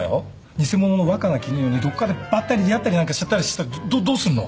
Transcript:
偽者の若菜絹代にどっかでばったり出会ったりなんかしちゃったりしたらどっどうすんの？